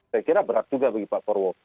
saya kira berat juga bagi pak prabowo